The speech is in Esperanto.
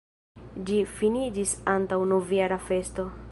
Ĝi finiĝis antaŭ novjara festo.